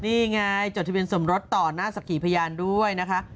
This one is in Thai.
นี่ไงจดทะเบียนสมรสต่อหน้าสักขีพยานด้วยนะคะ